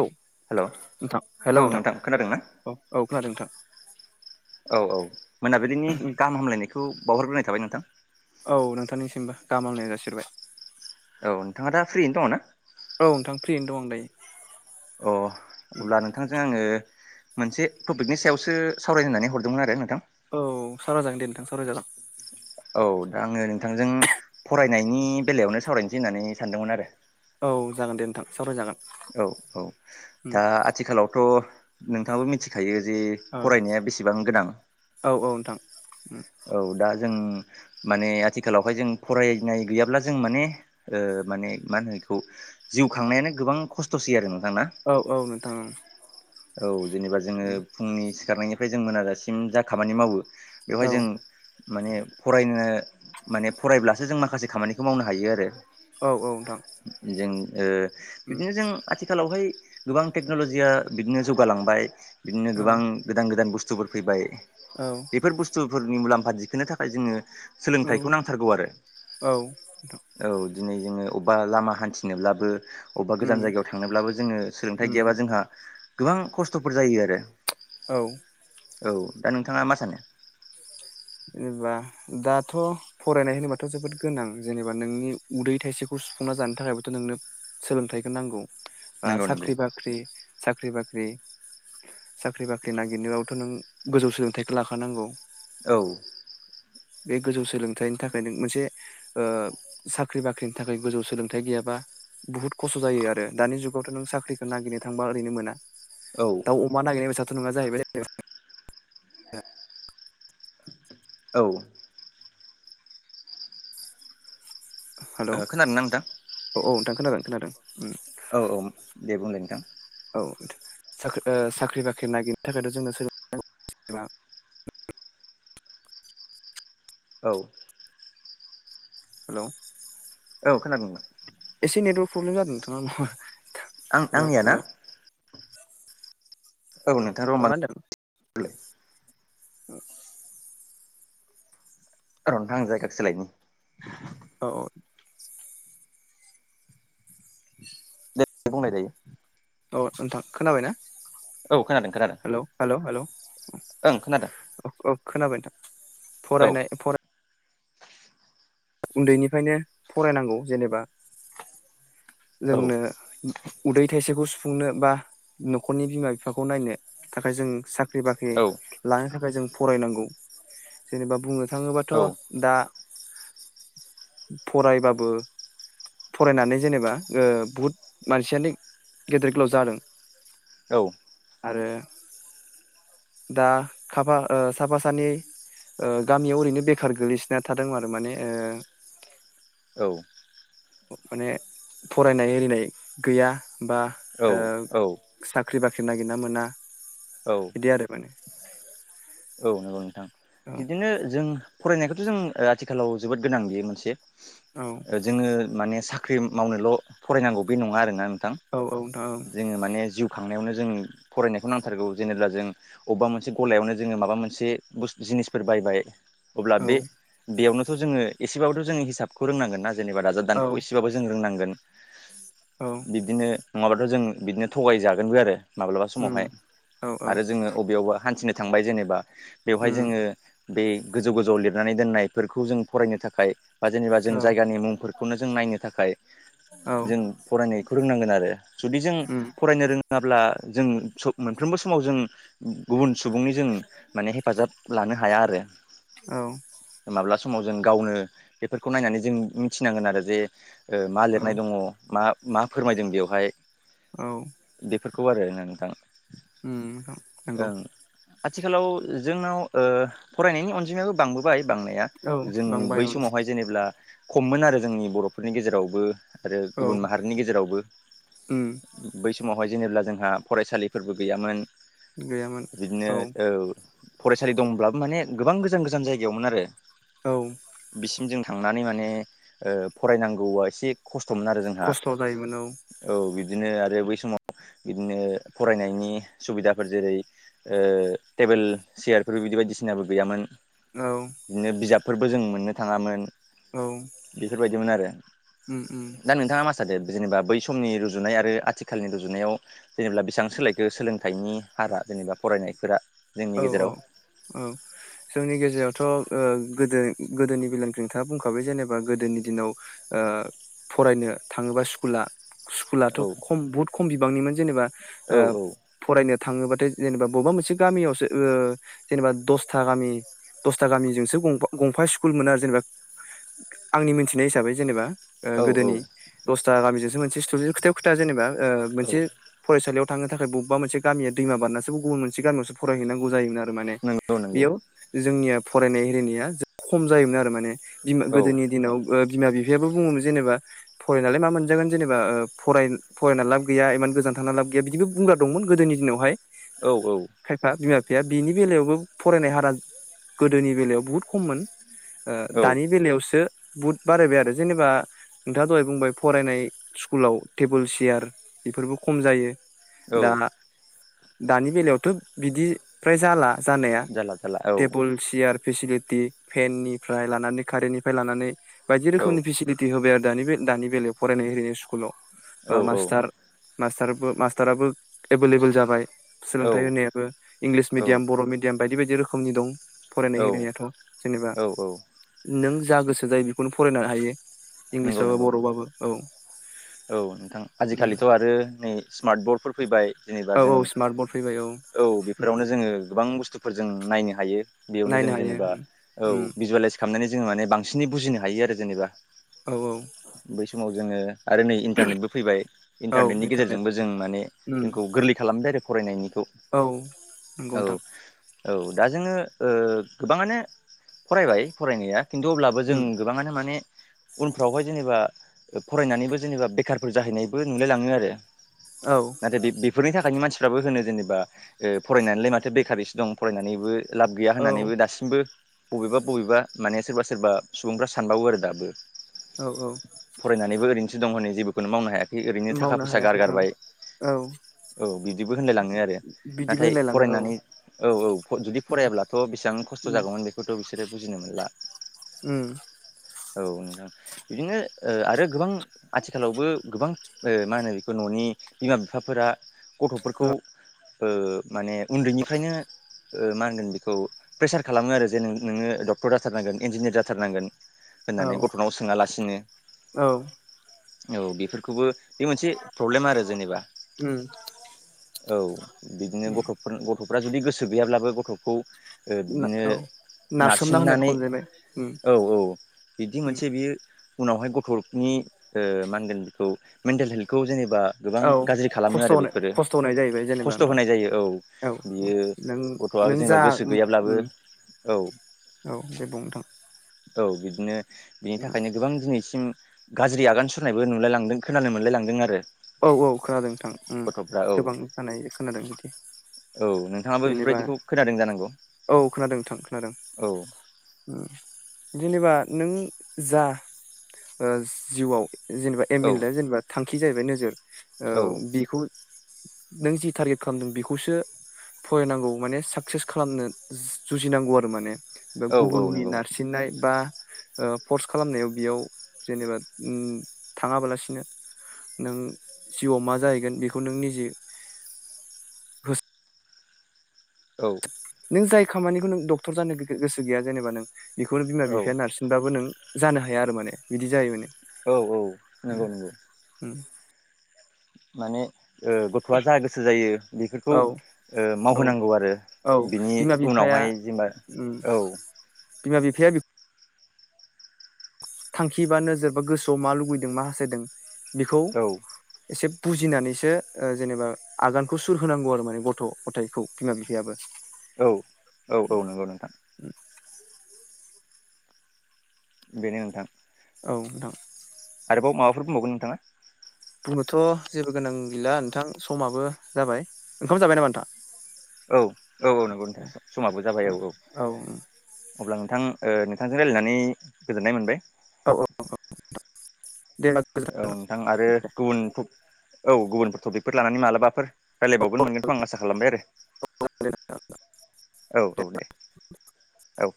औ हेलौ नोंथां औ हेलौ नोंथां खोनादों ना औ औ खोनादों नोंथां औ औ मोनाबिलिनि गाहाम हामलायनायखौ बावहरग्रोनाय थाबाय नोंथां। औ नोंथांनिसिमबो गाहाम हामग्लायनाय जासिहरबाय। औ नोंथांङा दा फ्रिनो दंङ ना? औ नोंथां फ्रियैनो दं आं दायो। अ अब्ला नोंथांजों आंङो मोनसे टपिकनि सायावसो सावरायजेननानै हरदोंमोन आरो नोंथां औ सावराय जागोन दे सावराय जागोन । औ दा आङो नोंथांजों फरायनायनि बेलायावनो सावरायनोसै होननानै सानदोंमोन आरो औ जागोन दे नोंथां सावराय जागोन। औ औ दा आथिखालावथ' नोंथाङाबो मिथिखायो जे औ फरायनाया बेसेबां गोनां औ औ नोंथां औ दा जों माने आथिखालावहाय जों फरायनाय गैयाब्ला जों माने ओ माने मा होनो बेखौ जिउ खांनायानो गोबां खस्थ'सै आरो नोंथां ना औ औ नोंथां ओं औ जेनेबा जोंङो फुंनि सिखारनायनिफ्राय जों मोनाजासिम जा खामानि मावो औ बेवहाय जों माने फरायनो माने फरायब्लासो जों माखासे खामानिखौ मावनो हायो आरो। औ औ नोंथां जों ओ बिदिनो जों आथि आथिखालावहाय गोबां टेक्न'लजिया बिदिनो जौगालांबाय बिदिनो गोबां गोदान गोदान बुस्थुफोर फैबाय औ। बेफोर बुस्थुफोरनि मुलाम्फा दिखोनो थाखाय जोंङो सोलोंथाइखौ नांथारगौ आरो। औ दिनै जोंङो अबेबा लामा हान्थिनोब्लाबो अबेबा गोजान जायगायाव थांनोब्लाबो जोंङो सोलोंथायाइ गैयाबा जोंहा गोबां खस्थ'फोर जायो आरो। औ औ दा नोंथाङा मा सानो? जेनेबा दाथ' फरायनाय होनोबाथ' जोबोद गोनां जेनेबा नोंनि उदै थाइसेखौ सुफुंना जानो थाखायबोथ' नोंनो सोलोंथाइखौ नांगौ बा नंगौ नंगौ साख्रि बाख्रि साख्रि बाख्रि साख्रि बाख्रि नागिरनायावथ' नों गोजौ सोलोंथाइखौ लाखानांगौ। औ बे गोजौ सोलोंथाइनि थाखायनो मोनसे ओ साख्रि बाख्रिनि थाखाय गोजौ सोलोंथाइ गैयाबा बुहुत खस्थ' जायो आरो दानि जुगावथ' नों साख्रिखौ नागिरनो थांबा ओरैनो मोना औ दाउ अमा नागिरनाय बेसाथ' नङा जाहैबाय औ ओ हेल' खोनादोंना नोंथां? औ औ नोंथां खोनादों खोनादों औ औ दे बुंलाय नोंथां औ साख्रि ओ साख्रि बाख्रि नागिरनो थाखायथ' जोंनो सो औ हेल' औ खोनादोंमोन। एसे नेटवारर्क प्रबेम जादों नोंथां ना [unintelligible] आं आंनिया ना औ नोंथां र मा होनदों [inaudible] र' नोंथां आं जायगा सोलायनि औ बुंनाय जायो। अ नोंथां खोनाबाय ना? औ खोनादों खोनादों हेल हेल' हेल ओं खोनादों खोनाबाय नोंथां औ फरायनाय उन्दैनिफ्रायनो फरायनांगौ जेनेबा औ जोंनो उदै थाइसेखौ सुफुंनो बा न'खरनि बिमा बिफाखौ नायनो थाखाय जों साख्रि साख्रि बाख्रि औ लानो थाखाय जों फरायनांगौ जेनेबा बुंनो थाङोबाथ' औ दा फरायबाबो फरायनानै जेनेबा बुहुद मानसियानो गेदेर गोलाव जादों । औ । आरो दा साफा सानै गामियाव ओरैनो बेखार गोग्लैसोना थादोंमोन आरो माने माने फरायनाय आरिनाय गैया बा औ साख्रि बाख्रि नागिरना मोना औ बिदि आरो माने औ नंगौ नोंथां औ बिदिनो जों फरायनायखौथ' जों आथिखालाव जोबोद गोनां बेयो मोनसे । औ जोंङो माने साख्रि मावनोल' फरायनांगौ बे नंङा आरोना नोंथां औ औ नोंथां औ जोङो माने जिउ खांनायावनो जों फरायनायखौ नांथारगौ जेनेब्ला जों अबेबा मोनसे गलायावनो जोंङो माबा मोनसे जिनिसफोर बायबाय अब्ला औ बे बेयावनोथ' जोंङो एसेबाबथ' जोंङो हिसाबखौ रोंनांगोना जेनेबा दाजाब औ दानखौ एसे थबाबो जों रोंनांगोन औ बिबदिनो नङाबाथ' जों बिदिनो थगायजा माब्लाबा उम समावहाय औ औ आरो जोंङो अबेयावबा हान्थिनो थांबाय जेनेबा बेवहाय उम जोंङो बे गोजौ गोजौआव लिरनानै दोननायफोरखौ जों फरायनो थाखाय बा जेनेबा जों औ जायगानि मुंफोरखौनो जों नायनो थाखाय औ जों फरायनायखौ रोंनांगोन आरो । जुदि जों उम फरायनो रोंङाब्ला जों मोनफ्रोमबो समाव जों गुबुन सुबुंनि जों माने हेफाजाब लानो हाया आरो । औ । माब्ला समाव जों गावनो बेफोरखौ नायनानै जों मिथिनांगोन आरो जे ओ मा लिरनाय औ दङ मा मा फोरमायदों बेवहाय औ । बेफोरखौ आरो नोंथां । उम नोंथां नंगौ । आथिखालाव जोंनाव ओ फरायनायनि अनजिमायाबो बांबोबाय बांनाया औ जों बांबाय बै उम समावहाय जेनेबब्ला खममोन आरो जोंनि बर'फोरनि गेजेरावबो आरो औ गुबुन माहारिनि गेजेरावबो उम बै समावहाय जेनेब्ला जोंहा फरायसालिफोरबो गैयामोन गैयामोन बिदिनो औ औव फरायसालि दंब्लाबो माने गोबां गोजान गोजान जायगायावमोन आरो औ । बिसिम जों थांनानै माने ओ फरायनांगौआ एसे खस्थ'मोन आरो जोंहा खस्थ' जायोमोन औ औ बिदिनो आरो बै समाव बिदिनो फरायनायनि सुबिदाफोर जेरै ओ टेबोल चियारफोर बिदि बायदिसिनाबो गैयामोन औ बिदिनो बिजाबफोरबो जों मोननो थाङामोन । औ । बेफोरबायदिमोन आरो दा नोंथाङा मा थादों जेनेबा बै समनि रुजुनाय आरो आथिखालनि रुजुनायाव जेनेबा बेसेबां सोलायखौ सोलोंथाइनि हारा जेनेबा फरायनायफोरा जों औ औ औ । जोंनि गेजेरावथ' ओ गोदो गोदोनि बेलोंखौ नोंथाङा बुंखाबाय जेनेबा गोदोनि दिनाव ओ फरायनो थाङोंबा स्कुला स्कुलाथ' औ खम बहुद खम बिबांनिमोन जेनेबा औ ओ फरायनो थाङोबाथाय जेनेबा बबेबा मोनसे गामियावसो ओ जेनेबा दसथा गामि दसथा गामिजोंसो गंफा स्कुल मोनो आरो जेनेबा आंनि मोनथिनाय हिसाबै जेनेबा ओ औ गोदोनि दसथा गामिजोंसो मोनसे स्टु खोथायाव खोथा जेनेबा ओ औ मोनसे फरायसालियाव थांनो थाखाय बबेब मोनसे मिया दैमा बाननाासो गुबुन मोनसे गामियावसो फरायहैनांगौ जायोम आरो । माने नंगौ नंगौ बेयाव जोंनिया फरायनाय एरिनाया जोबोद खम जायोमोन आरो माने बिमा औ गोदोनि दिनाव ओ बिमा बिफायाबो बुङोमोन जेनेबा फरायनानैलाय मा मोनजागोन जेनेबाराय फराय फरायना लाब गैया इमान गोजान थांना लाब गैया बिदिबो बुंग्रा दंमोन गोदोनि दिनावहाय औ औ खायफा बिमा बिफाया बिनि बेलायावबो फरायनाय हारा गोदोनि बेलायाव बहुद खम मोन ओ औ दानि बेलायावसो बुहुद बारायबाय आरो जेनेबा नोंथाङा दहाय बुंबाय फरायनाय स्कुलाव टेबोल चियार बेफोरबो खम जायो औ दा दानि बेलायावथ' बिदि फ्राय जाला । जानाया जाला जाला औ टेबुल सियार फेसिलिटि फेननिफ्राय लानानै कारेननिफ्राय लानानै बायदि औ रोखोमनि फेसिलिटि थि होबाय आरो दानि बे दानि बेलायाव फरायनाय एरिनाय औ स्कुलाव मास्टार मास्टार मास्टाराबो एभेलेबल जाबाय सोलोंथाइ होनाया बो इंलिस औ मिडियाम बर' मिदियाम बायदि बायदि रोखोमनि दं । फरायनाय औ होनायाथ' जेनेबा औ औ नों जा गोसो जायो बेखौनो फरायनो हायो इंलिस नंगौ बाबो नंगौ बर'बाबो औ औ नोंथां आजिखालिथ' आरो नै स्मार्ट बर्ड फोर फैबाय जेनेबा औ जों औ स्मार्ट बर्ड फैबाय औ बेफोरावनो जोङो गोबां बुस्थु फोर जों नायनो हायो बेयावनो जों नायनो हायो जेनेबा औ भिजुवलाइस खालामनानै जोङो माने बांसिनै बुजिनो हायो आरो जेनेबा औ औ बै समाव जोङो आरो नै इन्टारनेटबो फैबाय औ इन्टारनेटनि इन्टारनेट गेजेरजोंबो जों माने जोंखौ गोरलै खालामदों आरो फरायनायनि औ नोंगौ नोंथां। औ दा जोङो ओ गोबाङानो फरायबाय फरायनाया खिन्थु अब्ला बोजों नोंथां गोबाङानो माने उनफ्रावहाय जेनेबा फरायनानैबो जेनेबा बेखारफोर जाहैनायबो नुलायलाङो आरो औ नाथाय बे बेफोरनि थाखायनि मानसिफ्राबो होनो जेनेबा फरायनानैलाय माथो बेखारसो दं फरायनानैबो लाब गैया औ होननानैबो दासिमबो बबेबा-बबेबा माने सोरबा सोरबा सुबुंफ्रा सानबावो आरो दाबो। औ औ फरायनानैबो ओरैनोसो दं होनै जेबोखौनो मावनो हायाखै ओरैनो मावनो थाखा फैसा हायाखै ओं गारगारबाय औ औ बिदिबो होनलायलाङो आरो बिदिबो नाथाय होनलायलाङो औ फरायनानै औ औ जुदि उम फरायाब्लाथ' बेसेबां खस्थ' उम जागौमोन बेखौथ' बिसोरो बुजिनो मोनला। उम औ नोंथां बिदिनो ओ आरो गोबां आथिखालावबो गोबां ओ मा होनो बेखौ न'नि बिमा बिफाफोरा गथ'फोरखौ औ ओ माने उन्दैनिफ्रायनो ओ मा होनगोन बेखौ प्रेसार खालामो आरो जे नोङो डक्ट'र जाथारनांगोन इन्जिनियार जाथारनांगोन औ होननानै गथ'नाव सोङालासिनो औ औ बेफोरखौबो बे मोनसे प्रब्लेम आरो जेनेबा उम औ बिदिनो गथ' गथ'फोरा जुदि गोसो गैयाब्लाबो गथ'खौ ओ बिदिनो औ नारसोमना होनो नारसिननानै खम जाहैबाय उम औ औ बिदि उम मोनसे बियो उनावहाय गथ'नि ओ मा होनगोन बेखौ मेन्टेल हेल्थखौ जेनेबा गोबां औ गाज्रि खालामो खस्थ' आरो होनो बेफोरो खस्थ' होनाय जाहैबाय जेनेबा खस्थ' नोंथां होनाय जायो औ बियो नों गथ'आ नों जेनेबा जा गोसो गैयाब्लाबो उम औ औ दे बुं नोंथां औ बिदिनो बिनि थाखायनो गोबां दिनैसिम गाज्रि आगान सुरनायबो नुलाय लांदों खोनानो मोनलाय लांदों आरो। औ औ खोनादों नोंथां उम गथ'फ्रा औ गोबां जानाय खोनादों बिदि। औ नोंथाङाबो जेनेबा बेफोरबायदिखौ खोनादों जानांगौ औ खोनादों नोंथां खोनादों औ उम जेनेबा नों जा ओ जिउआव जेनेबा औ एम एल [unintelligible] जेनेबा थांखि जाहैबाय नोजोर औ बिखौ नों जि टारगेट खालामदों बेखौसो फरायनांगौ माने साकसेस खालामनो जुजिनांगौ आरो माने बा औ औ गुबुननि नंगौ नारसिननाय बा ओ फर्स खालामनायाव बेयाव जेनेबा उम थाङाबालासिनो नों जिउआव मा जाहैगोन बेखौ नों निजि औ नों जाय खामानिखौ नों डक्टर जानो गोसो गैया जेनेबा नों बेखौनो बिमा औ बिफाया नारसिन बाबो नों जानो हाया आरो माने बिदि जाय माने। औ औ उम नंगौ नंगौ उम माने ओ गथ'आ जा गोसो जायो बेफोरखौ औ ओ औ मावहोनांगौ आरो औ बिनि बिमा बिफाया उनावहाय जेनेबा उम औ बिमा बिफाया बेख थांखि बा नोजोर बा गोसोआव मा लुगैदों मा हासथायदों बेखौ औ एसे बुजिनानैसो जेनेबा आगानखौ सुर होनांगौ आरो माने गथ' गथायाइखौ बिमा बिफायाबो औ औ औ नंगौ नोंथां बेनो नोंथां औ नोंथां आरोबाव माबाफोर बुंबावगोन नोंथाङा बुंनोथ' जेबो गोनां गैला नोंथां समाबो जाबाय ओंखाम जाबाय नामा नोंथां औ औ औ नंगौ नोंथां समाबो जाबाय औ औ अब्ला नोंथां ओ नोंथांजों रायजलायनानै गोजोननाय मोनबाय औ औ [unintelligible] नोंथां आरो गुबुन औ गुबुनफोर टपिकफोर लानानै मालाबाफोर रायलायबावगोन मोनगोनखौ आं आसा खालामबाय आरो गोजोनथों। औ औ दे [inaudible] औ